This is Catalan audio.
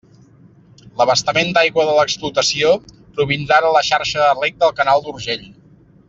L'abastament d'aigua de l'explotació provindrà de la xarxa de reg del canal d'Urgell.